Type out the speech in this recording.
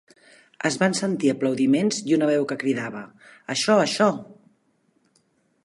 Es van sentir aplaudiments i una veu que cridava: "Això, això!".